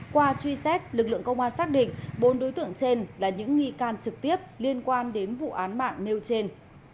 qua truy xét lực lượng công an xác định bốn đối tượng trên là những nghi can trực tiếp liên quan đến vụ án mạng nêu trên